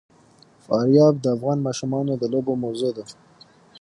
فاریاب د افغان ماشومانو د لوبو موضوع ده.